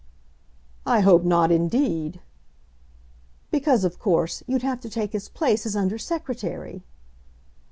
"I hope not, indeed." "Because, of course, you'd have to take his place as Under Secretary."